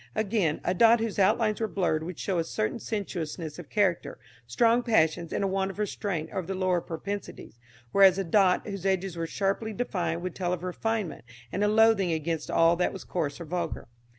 Again, a dot whose outlines were blurred would show a certain sensuousness of character strong passions and a want of restraint over the lower propensities; whereas, a dot whose edges were sharply defined would tell of refinement and a loathing against all that was coarse or vulgar.